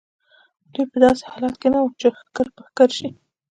دوی په داسې حالت کې نه وو چې ښکر په ښکر شي.